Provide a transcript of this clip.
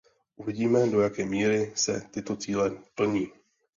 Uvidíme, do jaké míry se tyto cíle plní.